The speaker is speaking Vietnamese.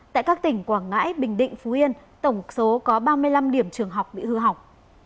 tại các tỉnh quảng ngãi bình định phú yên tổng số có ba mươi năm điểm trường học bị hư hỏng